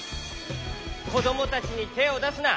こどもたちにてをだすな！